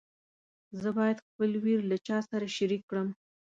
زه باید خپل ویر له چا سره شریک کړم.